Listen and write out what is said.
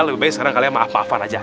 lebih baik sekarang kalian maaf maafan aja